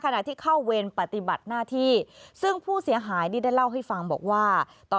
ที่เข้าเวรปฏิบัติหน้าที่ซึ่งผู้เสียหายนี่ได้เล่าให้ฟังบอกว่าต่อ